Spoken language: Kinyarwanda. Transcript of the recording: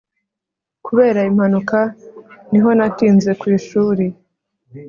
kubera impanuka niho natinze ku ishuri